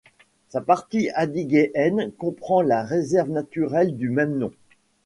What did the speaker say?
Sa partie adyguéenne comprend la réserve naturelle du même nom.